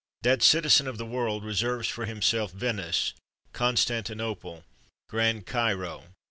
That citizen of the world reserves for himself Venice, Constantinople, Grand Cairo.